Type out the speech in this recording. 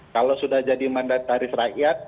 kalau sudah jadi mandataris rakyat